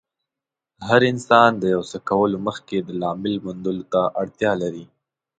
هر انسان د يو څه کولو مخکې د لامل موندلو ته اړتیا لري.